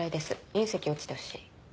隕石落ちてほしい。